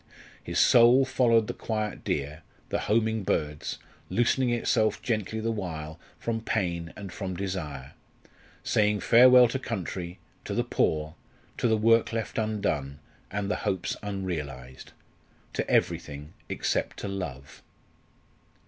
His soul followed the quiet deer, the homing birds, loosening itself gently the while from pain and from desire, saying farewell to country, to the poor, to the work left undone, and the hopes unrealised to everything except to love.